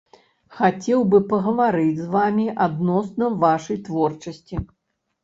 Хацеў бы пагаварыць з вамі адносна вашай творчасці.